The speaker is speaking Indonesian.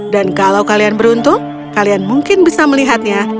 dan kalau kalian beruntung kalian mungkin bisa melihatnya